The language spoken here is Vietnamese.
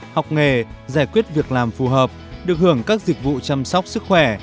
học nghề giải quyết việc làm phù hợp được hưởng các dịch vụ chăm sóc sức khỏe